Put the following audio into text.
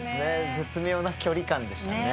絶妙な距離感でしたね。